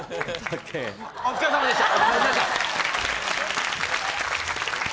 お疲れさまでした。